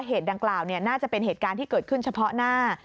ดังกล่าวน่าจะเป็นเหตุการณ์ที่เกิดขึ้นเฉพาะหน้า